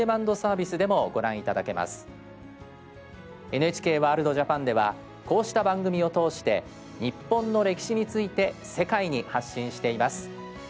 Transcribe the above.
ＮＨＫワールドＪＡＰＡＮではこうした番組を通して日本の歴史について世界に発信しています。